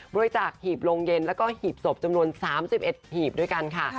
บริจาคหีบโรงเย็นแล้วก็หีบศพจำนวน๓๑หีบด้วยกันค่ะ